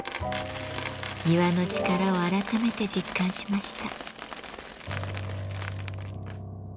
庭の力を改めて実感しました。